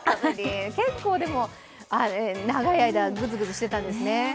結構長い間、ぐずぐずしてたんですね。